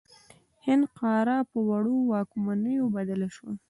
د هند قاره په وړو واکمنیو بدله شوه.